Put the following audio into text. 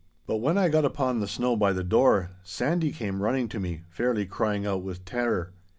But when I got upon the snow by the door, Sandy came running to me, fairly crying out with terror.